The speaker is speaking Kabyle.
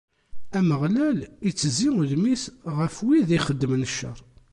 Ameɣlal ittezzi udem-is ɣef wid ixeddmen ccer.